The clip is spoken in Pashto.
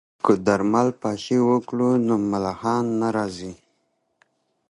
که درمل پاشي وکړو نو ملخان نه راځي.